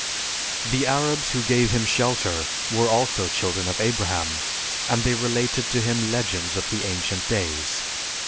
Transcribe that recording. The Arabs who gave him shelter were also children of Abraham, and they related to him legends of the ancient days.